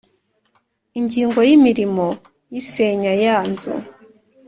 Ingingo yimirimo yisenya ya nzu